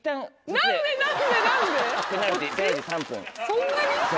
そんなに？